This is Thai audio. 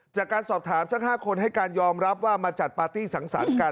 จากการสอบถามทั้ง๕คนให้การยอมรับว่ามาจัดปาร์ตี้สังสรรค์กัน